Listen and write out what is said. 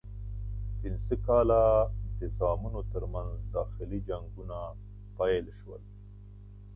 پنځه کاله د زامنو ترمنځ داخلي جنګونه پیل شول.